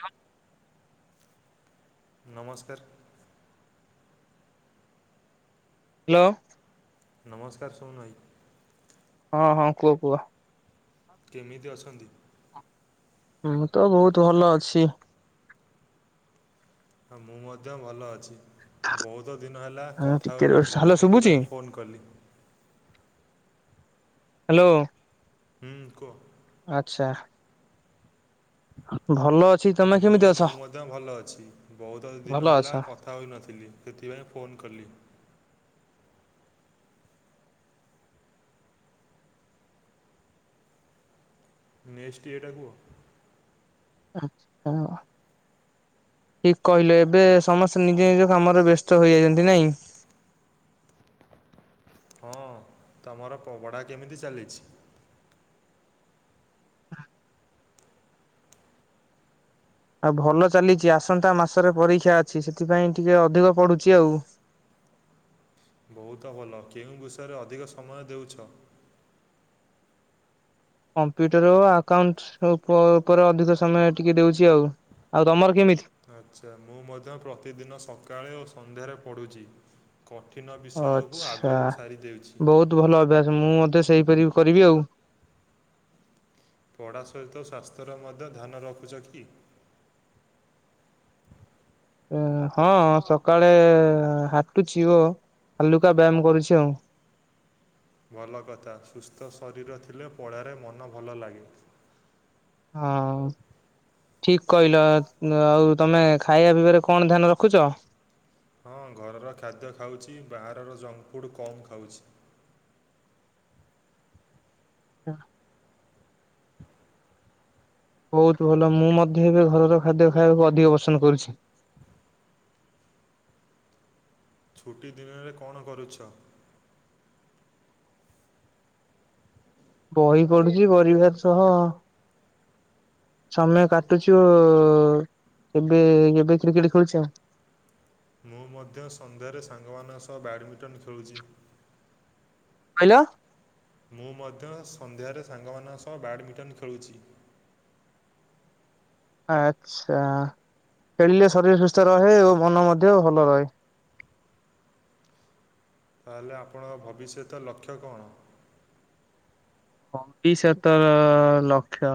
ହ ନମସ୍କାର। ହ୍ୟାଲୋ। ନମସ୍କାର ସୋମୋନ ଭାଇ। ହଁ ହଁ କୁହ କୁହ। କେମିତି ଅଛନ୍ତି? ମୁଁ ତ ବହୁତ ଭଲ ଅଛି। ହଁ ମୁଁ ମଧ୍ୟ ଭଲ ଅଛି। ବହୁତ ଦିନ ହେଲା ହଁ କଥା ଟିକେ ରୁହ। ହୋଇନଥିଲା ହ୍ୟାଲୋ ଶୁଭୁଛି ସେଥିପାଇଁ ଫୋନ୍ କଲି। ହ୍ୟାଲୋ। ହୁଁ କୁହ। ଆଚ୍ଛା। ଭଲ ଅଛି ତମେ କେମିତି ମୁଁ ଅଛ ମୁଁ ମଧ୍ୟ ଭଲ ଅଛି ବହୁତ ଭଲ ଦିନ ଅଛ ହେଲା କଥା ତାଉଇନଥିଲି ସେଥିପାଇଁ ଫୋନ୍ କଲି। ନେକ୍ସଟ ଇଏ ଟା କୁହ। ଆ ହଁ [inaudible] ଠିକ କହିଲେ ଏବେ ସମସ୍ତେ ନିଜ ନିଜ କାମରେ ବ୍ୟସ୍ତ ହେଯାଇଛନ୍ତି ନାଇଁ। ହଁ ତମର ପପଡା କେମିତି ଚାଲିଛି? ଆଉ ଭଲ ଚାଲିଛି ଆସନ୍ତା ମାସରେ ପରୀକ୍ଷା ଅଛି ସେଥିପାଇଁ ଟିକେ ଅଧିକ ପଢୁଛି ଆଉ। ବହୁତ ଭଲ କେଉଁ ବିଷରେ ଅଧିକ ସମୟ ଦେଉଛ? କମ୍ପ୍ୟୁଟର ଆକାଉଣ୍ଟ ଉପରେ ଅଧିକ ସମୟ ଟିକେ ଦଉଛି ଆଉ। ଆଉ ତମର କେମିତି? ଆଚ୍ଛା ମୁଁ ମଧ୍ୟ ପ୍ରତିଦିନ ସକାଳେ ଓ ସନ୍ଧ୍ୟାରେ ପଢ଼ୁଚି। କଠିନ ବିଷୟକୁ ଆଗରୁ ସାରିଦେଉଛି। ତୁ ଭଲ ଅଭ୍ୟାସ ମୁଁ ମଧ୍ୟ ସେଇପରି କରିବି ଆଉ। ପଢା ସହିତ ସ୍ୱାସ୍ଥ୍ୟର ମଧ୍ୟ ଧ୍ୟାନ ରଖୁଚ କି? ଏଁ ହଁ ସକାଳେ ଏଁ ହାଟୁଛି ଓ ହାଲୁକା ବ୍ୟାୟାମ କରୁଛି ଆଉ। ଭଲ କଥା ସୁସ୍ଥ ଶରୀର ଥିଲେ ପଢାରେ ମନ ଭଲ ଲାଗେ। ହଁ। ଠିକ କହିଲ ଏ ଆଉ ତମେ ଖାଇବା ପିଇବାରେ କଣ ଧ୍ୟାନ ରଖୁଚ। ହଁ ଘରର ଖାଦ୍ୟ ଖାଉଚି ବାହାରର ଜଙ୍କ ଫୁଡ଼୍ କମ୍ ଖାଉଛି। ହଁ [inaudible] ବହୁତ ଭଲ ମୁଁ ମଧ୍ୟ ଏବେ ଘରର ଖାଦ୍ୟ ଖାଇଆକୁ ଅଧିକ ପସନ୍ଦ କରୁଛି। ଛୁଟି ଦିନରେ କଣ କରୁଛ? ବହି ପଢୁଚି ଗରିବାର ସହ। ସମୟ କାଟୁଚି ଓ ଏବେ ଏବେ କ୍ରିକେଟ ଖେଳୁଛି ଆଉ। ମୁଁ ମଧ୍ୟ ସନ୍ଧ୍ୟାରେ ସାଙ୍ଗମାନଙ୍କ ସହ ବ୍ୟାଡ଼ମିଟନ ଖେଳୁଚି। କହିଲ ମୁଁ ମଧ୍ୟ ସନ୍ଧ୍ୟାରେ ସାଙ୍ଗମାନଙ୍କ ସହ ବ୍ୟାଡ଼ମିଟନ ଖେଳୁଛି। ଆଚ୍ଛା। ଖେଳିଲେ ଶରୀର ସୁସ୍ଥ ରହେ ଓ ମନ ମଧ୍ୟ ଭଲ ରହେ। ତାହେଲେ ଆପଣଙ୍କ ଭବିଷ୍ୟତ ଲକ୍ଷ୍ୟ କଣ? ଭବିଷ୍ୟତ ଲକ୍ଷ।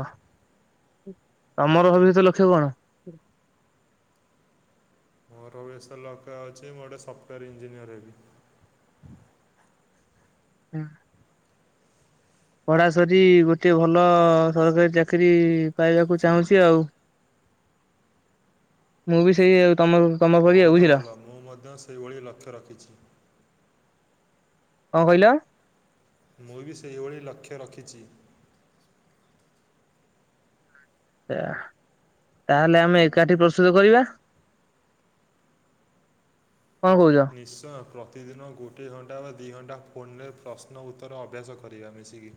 ତମର ଭବିଷ୍ୟତ ଲକ୍ଷ୍ୟ କଣ। ମୋର ଭବିଷ୍ୟ ରେ ଲକ୍ଷ ଅଛି ମୁଁ ଗୋଟେ ସଫ୍ଟୱେୟାର୍ ଇଞ୍ଜିନିୟର ହେବି। [inaudible] ପଢା ସରି ଗୋଟିଏ ଭଲ ସରକାରୀ ଚାକିରୀ ପାଇବାକୁ ଚାହୁଁଚି ଆଉ। [inaudible] ମୁଁ ବି ସେଇ ଆଉ ତମକୁ ବହୁତ ଭଲ ମୁଁ ମଧ୍ୟ ସେହିଭଳି ଲକ୍ଷ୍ୟ ରଖିଛି। କଁ କଇଲ। ମୁଁ ବି ସେହିଭଳି ଲକ୍ଷ୍ୟ ରଖିଚି। ଏ ଆହା ତାହେଲେ ଆମେ ଏକାଠି ପ୍ରସ୍ତୁତ କରିବା। କଁ କଉଚ। ନିଶ୍ଚୟ ପ୍ରତିଦିନ ଗୋଟିଏ ଘଣ୍ଟା ବା ଦି ଘଣ୍ଟା ଫୋନ୍ ରେ ପ୍ରଶ୍ନ ଉତ୍ତର ଅଭ୍ୟାସ କରିବା ମିଶିକି।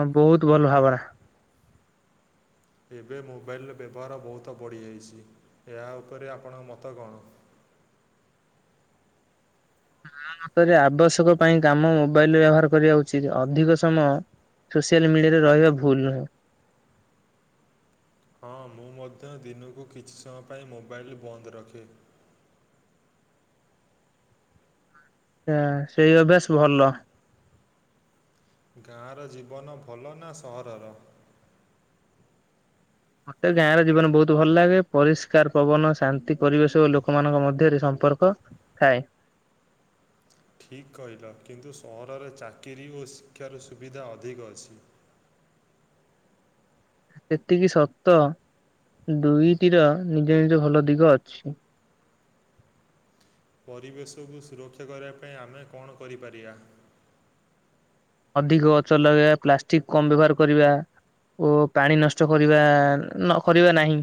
ହଁ ବୋହୁତ ଭଲ ଭାବନା। ଏବେ ମୋବାଇଲର ବ୍ୟବହାର ବହୁତ ବଢ଼ିଯାଇଛି ଏହା ଉପେରେ ଆପଣଙ୍କ ମତ କଣ। ମୋ ମତରେ ଆବଶ୍ୟକ ପାଇଁ କାମ ମୋବାଇଲ ବ୍ୟବହାର କରିବା ଉଚିତ୍ ଅଧିକ ସମୟ ସୋସିଆଲ୍ ମିଡ଼ିଆରେ ରହିବା ଭୁଲ୍ ନୁହେଁ। ହଁ ମୁଁ ମଧ୍ୟ ଦିନୁକୁ କିଛି ସମୟ ପାଇଁ ମୋବାଇଲ୍ ବନ୍ଦ ରଖେ। ଏଁ ସେଇ ଅଭ୍ୟାସ ଭଲ। ଗାଁର ଜୀବନ ଭଲ ନା ସହରର। ମତେ ଗାଁ ର ଜୀବନ ବହୁତ ଭଲ ଲାଗେ ପରିଷ୍କାର ପବନ ଶାନ୍ତି ପରିବେଶ ଓ ଲୋକମାନଙ୍କ ମଧ୍ୟେରେ ସମ୍ପର୍କ ଥାଏ। ଠିକ୍ କହିଲ କିନ୍ତୁ ସହରରେ ଚାକିରି ଓ ଶିକ୍ଷାର ସୁବିଧା ଅଧିକ ଅଛି। ସେତିକି ସତ ଦୁଇଟିର ନିଜ ନିଜ ଭଲ ଦିଗ ଅଛି। ପରିବେଶକୁ ସୁରକ୍ଷା କରିଆ ପାଇଁ ଆମେ କଣ କରିପାରିଆ। ଅଧିକ ଗଛ ଲଗେଇଆ ପ୍ଲାଷ୍ଟିକ କମ ବ୍ୟବହାର କରିବା। ଓ ପାଣି ନଷ୍ଟ କରିବା ନ କରିବା ନାହିଁ।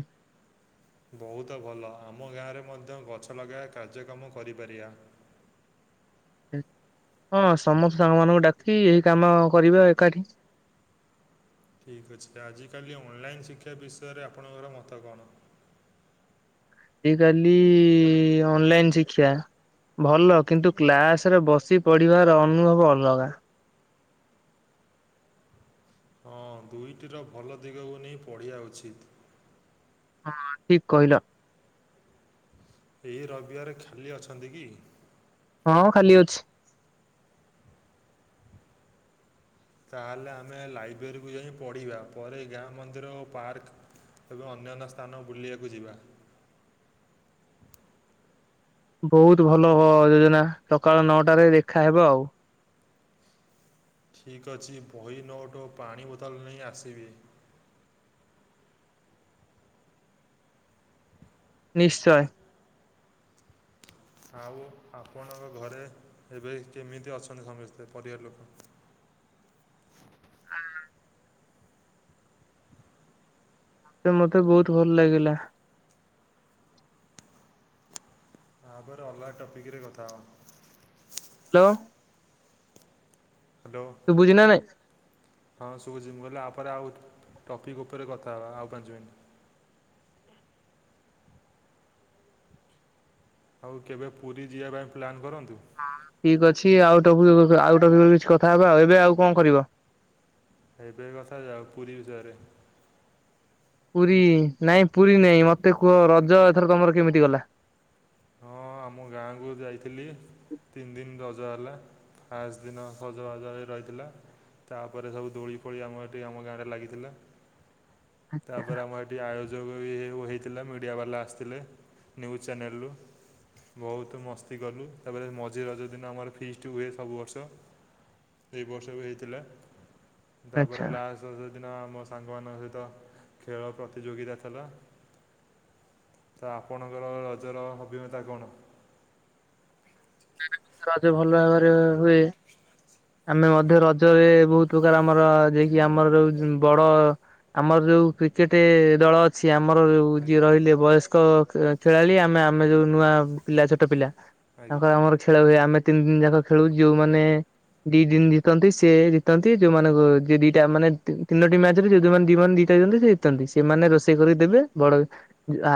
ବହୁତ ଭଲ ଆମ ଗାଁରେ ମଧ୍ୟ ଗଛ ଲଗାଇଆ କାର୍ଯ୍ୟକ୍ରମ କରିପାରିଆ। ହଁ ସମସ୍ତ ସାଙ୍ଗମାନଙ୍କୁ ଡାକି ଏହି କାମ କରିଵା ଏକାଠି। ଠିକ୍ ଅଛି ଆଜିକାଲି ଅନଲାଇନ୍ ଶିକ୍ଷା ବିଷୟରେ ଆପଣଙ୍କର ମତ କଣ। ଆଜି କାଲି ଅନଲାଇନ୍ ଶିକ୍ଷା ଭଲ କିନ୍ତୁ କ୍ଲାସ ରେ ବସି ପଢିବାର ଅନୁଭବ ଅଲଗା। ହଁ ଦୁଇଟିର ଭଲ ଦିଗକୁ ନେଇ ପଢ଼ିବା ଉଚିତ୍। ହଁ ଠିକ କହିଲ। ଏଇ ରବିବାର ଖାଲି ଅଛନ୍ତି କି। ହଁ ଖାଲି ଅଛି। ତାହେଲେ ଆମେ ଲାଇବ୍ରେରୀକୁ ଯାଇ ପଢ଼ିବା ପରେ ଗାଁ ମନ୍ଦିର ଓ ପାର୍କ। ତେବେ ଅନ୍ୟାନ୍ୟ ସ୍ଥାନ ବୁଲିବାକୁ ଯିବା। ବହୁତ ଭଲ ହ ଯୋଜନା ସକାଳ ନଅଟାରେ ଦେଖାହବ ଆଉ। ଠିକ୍ ଅଛି ବହି ନୋଟୋ ପାଣି ବୋତଲ ନେଇ ଆସିବି। ନିଶ୍ଚୟ। ଆଉ ଆପଣଙ୍କ ଘରେ ଏବେ କେମିତି ଅଛନ୍ତି ସମସ୍ତେ ପରିବାର ଲୋକ। ସେ ମତେ ବହୁତ ଭଲ ଲାଗିଲା। ଆ ପରେ ଅଲଗା ଟପିକରେ କଥା ହବା। ହ୍ୟାଲୋ। ହ୍ୟାଲୋ। ସୁବୁଝି ନା ନାଇ। ହ ସୁବୁଚି ମୁ କହିଲି ଆ ପରେ ଆଉ ଟପିକ୍ ଉପରେ କଥା ହେବା ଆଉ ପାଞ୍ଚ ମିନିଟ୍ ଆଉ କେବେ ପୁରୀ ଯିବା ପାଇଁ ପ୍ଲାନ୍ କରନ୍ତୁ। ଠିକ ଅଛି ଆଉ ଟ ଆଉ ଟ କିଛି କଥା ହବା ଆଉ ଏବେ ଆଉ କଣ କରିବ। ଏବେ କଥା ଯାାଉ ପୁରୀ ବିଷୟରେ। ପୁରୀ ନାଇଁ ପୁରୀ ନାଇଁ ମତେ କୁହ ରଜ ଏଥର ତମର କେମିତି ଗଲା? ହଁ ଆମ ଗାଁକୁ ଯାଇଥିଲି। ତିନି ଦିନ ରଜ ହେଲା। ଫାଷ୍ଟ ଦିନ ସଜ ବାଜ ହେ ରହିଥିଲା। ତାପରେ ସବୁ ଦୋଳି ଫୋଳି ଆମ ଏଠି ଆମ ଗାଁ ରେ ଲାଗିଥିଲା। ତାପରେ ଆମ ଏଠି ଆ ଯୋଗ ବି ହୋଇଥିଲା। ମିଡ଼ିଆ ବାଲା ଆସିଥିଲେ ନ୍ୟୁଜ୍ ଚ୍ୟାନେଲରୁ। ବହୁତ ମସ୍ତି କଲୁ। ତାପରେ ମଝି ରଜ ଦିନ ଆମର ଫିସ୍ଟ ହୁଏ ସବୁ ବର୍ଷ। ସେଇ ବର୍ଷ ବି ହେଇଥିଲା। ତାପରେ ଆଚ୍ଛା ଲାଷ୍ଟ ଯୋଉ ଦିନ ଆମ ସାଙ୍ଗମାନଙ୍କ ସହିତ ଖେଳ ପ୍ରତିଯୋଗିତା ଥିଲା। ତ ଆପଣଙ୍କର ରଜର ଅଭିଜ୍ଞତା କଣ? [unintelligible] ରଜ ଭଲ ଭାବରେ ହୁଏ। ଆମେ ମଧ୍ୟ ରଜରେ ବହୁତ ପ୍ରକାର ଆମର ଯିଏକି ଆମର ଯୋ ବଡ ଆମର ଯୋଉ କ୍ରିକେଟ ଦଳ ଅଛି, ଆମର ଯୋ ଯିଏ ଆଜ୍ଞା ରହିଲେ ବୟସ୍ କ ଖ ଖେଳାଳି ଆମେ ଆମେ ଯୋଉ ନୂଆ ପିଲା ଛୋଟ ପିଲା ଆଜ୍ଞା ତାଙ୍କର ଆମର ଖେଳ ହୁଏ ଆମେ ତିନି ଦିନ ଯାକ ଖେଳୁ। ଯୋଉମାନେ ଦି ଦିନ ଜିତନ୍ତି। ସ ସେ ଜିତନ୍ତି ଯୋଉମାନାନଙ୍କୁ ଯ ଦିଟା ମାନେ ତିନୋଟି ମ୍ୟାଚ ରେ ଯୋଉଉମାନେ ଦି ମାନ ଜିତନ୍ତି ସେ ସେମାନେ ରୋଷେଇ କରିକି ଦେବେ। ବଡ ଆ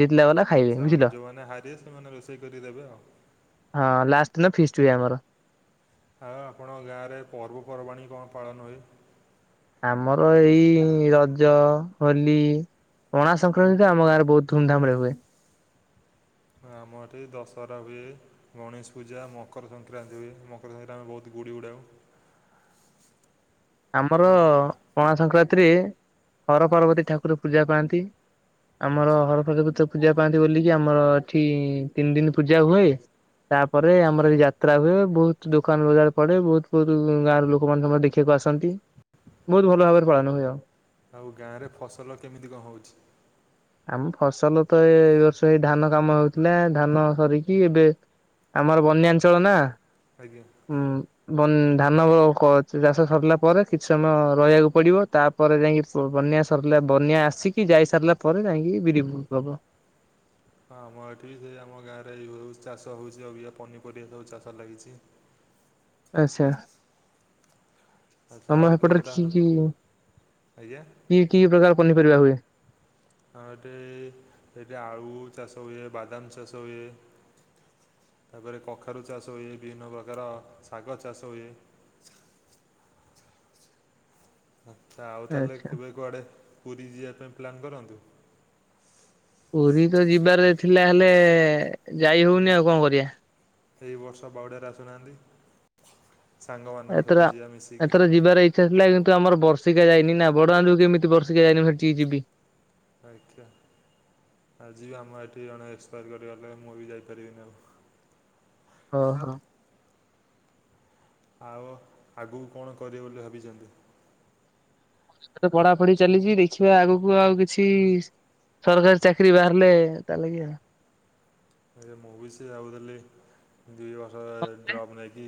ଯ ଆଚଛା ମାନେ ଯୋଉମାନେ ହାରିବେ ସେମାନେ ରୋଷେଇ କରିକି ଦେବେ ଆଉ। ହଁ ଲାଷ୍ଟ ଦିନ ଫିଷ୍ଟ ହୁଏ ଆମର। ଆଉ ଆପଣଙ୍କ ଗାଁରେ ପର୍ବପର୍ବାଣି କଣ ପାଳନ ହୁଏ? ଆମର ଏଇ ରଜ, ହୋଲି ପଣା ସଂକ୍ରାନ୍ତି ତ ଆମ ଗାଁରେ ବହୁତ ଧୁମଧାମ ରେ ହୁଏ। ହଁ ଆମ ଏଠି ଦଶହରା ହୁଏ। ଗଣେଶ ପୂଜା, ମକର ସଂକ୍ରାନ୍ତି ହୁଏ। ମକର ସଂକ୍ରାନ୍ତି ଆମେ ବହୁତ ଗୁଡ଼ି ଉଡ଼ାଉ। [inaudible] ଆମର ଆ ପଣା ସଂକ୍ରାନ୍ତିରେ ହର ପାର୍ବତୀ ଠାକୁର ପୂଜା ପାଆନ୍ତି। ଆମର ଆଚ୍ଛା ହରପ୍ରଦବତି ପୂଜା ପାଆନ୍ତି ବୋଲିକି ଆମର ଏଠି ତିନି ଦିନ ପୂଜା ହୁଏ। ତାପରେ ଆମର ଏ ଯାତ୍ରା ହୁଏ। ବହୁତ ଦୋକାନ ବଜାର ପଡେ। ବହୁତ ବହୁତ ଗାଁ ର ଲୋକ ମାନ ସମର ଦେଖିବାକୁ ଆସ ନ୍ତି ବହୁତ ଭଲ ଭାବରେ ପାଳନ ହୁଏ ଆଉ। ଆଉ ଗାଁରେ ଫସଲ କେମିତି କଣ ହଉଚି? ଆମ ଫସଲ ତ ଏ ଏଇ ବର୍ଷ ହେଇ ଧାନ କାମ ହଉଥିଲା, ଧାନ ସରିଚି ଏବେ ଆମର ବନ୍ୟାଞ୍ଚଳ ନା? ଆଜ୍ଞା। ହୁଁ ବନ୍ ଧାନ କ ଚାଷ ସରିଲା। ପରେ କିଛି ସମୟ ରହିବାକୁ ପଡ଼ିବ। ତାପରେ ଯାଇକି ବନ୍ୟା ସରିଲା ବନ୍ୟା ଆସିକି ଯାଇସାରିଲା ପ ପରେ ଯାଇହିକି ବିରି ବୁ ହବ। ହଁ ଆମ ଏଠି ବି ଆମ ଗାଁରେ ଏଇ ହେଉ ଚାଷ ହଉଚି ଆଉ ପନିପରିବା ସବୁ ଚାଷ ଲାଗିଚି। ଆଚ୍ଛା। ଆଚ୍ଛା ଆମ ଆଉ ହେପଟରେ କେବେ ତାହେଲେ ରଖିକି ଆଜ୍ଞା କି କି ପ୍ରକାର ପନିପରିବା ହୁଏ? ଆଉ ଏଟି ଏଟି ଆଳୁ ଚାଷ ହୁଏ ବାଦାମ ଚାଷ ହୁଏ। ତାପକରେ କଖାରୁ ଚାଷ ହୁଏ। ବିଭିନ୍ନ ପ୍ରକାର ଶାଗ ଚାଷ ହୁଏ। ଆଚ୍ଛ ଆଉ ତା ହେଲେ ଆଚ୍ଛା କେବେ କୁଆଡ଼େ ପୁରୀ ଯିବା ପାଇଁ ପ୍ଲାନ୍ କରନ୍ତୁ। ପୁରୀ ତ ଯିବାର ଥିଲା ହେଲେ ଯାଇ ହଉନି ଆଉ କଣ କରିବା? ଏହିଇ ବର୍ଷ ବାଉଡ଼ରେ ଆସୁନାହାଁନ୍ତି, ସାଙ୍ଗମାନଙ୍କ ସହିତ ଯିବା ମିଶିକି। ସେଥିଲା କିନ୍ତୁ ଆମର ବର୍ଷିକା ଯାଇନି ନା ବଡ ଆନ୍ଧୁ କେମିତି ବର୍ଷିକା ଯାଇନି ସେଠିକି ଯିବି। ଆଚ୍ଛା ଆଜିିବି ଆମ ଏଠି ଜଣେ ଏକ୍ସପାୟାର କରିଗଲେ। ମୁଁ ବି ଯାଇପାରିବିନି ଆଉ। ଅ ହ। ଆଉ ଆଗକୁ କଣ କରିବ ବୋଲି ଭାବିଚନ୍ତି? ଏବେ ତ ପଢାପଢି ଚାଲିଚି ଦେଖିବା ଆଗକୁ ଆଉ କିଛି ସରକାରୀ ଚାକିରି ବାହାରିଲେ ତାଲୋଗି ଆ ଏ ମୁଁ ବି ସେଇଆ ଭାବୁଥିଲି, ଦୁଇ ବର୍ଷ ଡ୍ରପ୍ ନେଇକି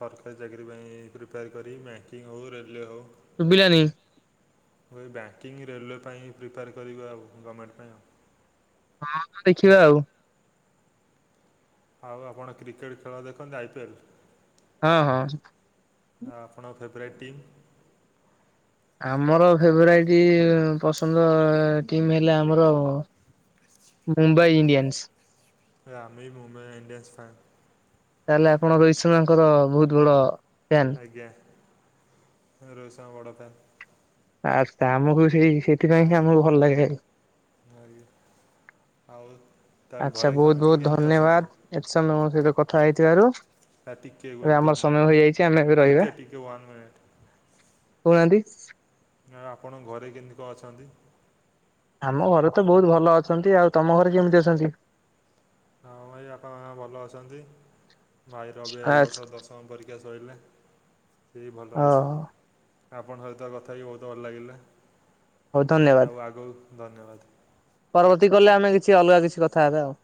ସରକାରୀ ଚାକିରି ପାଇଁ ପ୍ରିପେୟାର କରିବି, ବ୍ୟାଙ୍କିଙ୍ଗ ହେଉ, ରେଲୱେ ହେଉ। ଶୁଭିଲାନି। ମୁୁଁ କହିଲି ବ୍ୟାଙ୍କିଙ୍ଗ୍, ରେଲୱେ ପାଇଁ ପ୍ରିପେଆର୍ କରିବି ଆଉ ଗମେଣ୍ଟ ପାଇଁ ଆଉ। ହଁ, ତ ଦେଖିବା ଆଉ। ଆଉ ଆପଣ କ୍ରିକେଟ୍ ଖେଳ ଦେଖନ୍ତି, ଆଇ ପି ଏଲ୍? ହଁ, ହଁ। ହଁ, ଆପଣଙ୍କ ଫେଭରାଇଟ୍ ଟିମ୍? ଆମର ଫେଭରାଇଟ୍ ପସନ୍ଦ ଟିମ୍ ହେଲେ ଆମର ମୁମ୍ବାଇ ଇଣ୍ଡିୟାନ୍ସ‌। ଭାଇ ଆମେ ବି ମୁମ୍ବାଇ ଇଡିୟାନ୍ସ ଫ୍ୟାନ୍। ତାହେଲେ ଆପଣ ରୋହିତ ଶର୍ମା ଙ୍କର ବହୁତ ବଡ ଫ୍ୟାନ୍। ଆଜ୍ଞା, ରୋହିତ ଶର୍ମାଙ୍କ ବଡ଼ ଫ୍ୟାନ୍। ଆଚ୍ଛା, ଆମକୁ ବି ସେଇ ସେଥିପାଇଁ ହିଁ ଆମକୁ ଭଲ ଲାଗେ। ଆଜ୍ଞା, ଆଉ? ତାହେଲେ ଆଚ୍ଛା, ଘରେ ବହୁତ ସମସ୍ତେ ବହୁତ କେମିତି ଅଛନ୍ତି? ଧନ୍ୟବାଦ ଏତେ ସମୟ ମୋ ସହିତ କଥା ହେଇଥିବାରୁ। ଆ ଟିକେ ଗୋ- ଏବେ ଦି ଆମର ମିନିଟ୍ ସମୟ ହେଇଯାଇଛି ଆମେ ଏବେ ଟିକେ ରହିବା, ଟିକେ ୱାନ୍ ମିନିଟ୍। କହୁନାହାନ୍ତି। [inaudible] ଆପଣଙ୍କ ଘରେ କେମିତି କଣ ଅଛନ୍ତି? ଆମ ଘରେ ତ ବହୁତ ଭଲ ଅଛନ୍ତି, ଆଉ ତମ ଘରେ କେମିତି ଅଛନ୍ତି? ହଁ, ଭାଇ ବାପା ମାଁ ଭଲ ଅଛନ୍ତି, ଭାଇର ବି ଏଇ ଆଛା ବର୍ଷ ଦଶ ଶମ ପରୀକ୍ଷା ସରିଲା, ଏଇ ଓ ଭଲ ଅଛି। ଆପଣଙ୍କ ସହିତ କଥା ହେଇ ବହୁତ ଭଲ ଲାଗିଲା ହଉ ଧନ୍ୟବାଦ। ଆଉ ଆଗକୁ, ଧନ୍ୟବାଦ। ପରବର୍ତ୍ତୀ କଲରେ ଆମେ କିଛି ଅଲଗା କିଛି କଥା ହେବେ ଆଉ।